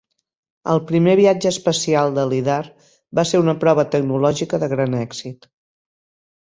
El primer viatge espacial de Lidar va ser una prova tecnològica de gran èxit.